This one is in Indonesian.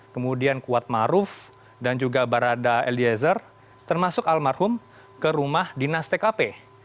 kemudian kuat maruf dan juga barada eliezer termasuk almarhum ke rumah dinas tkp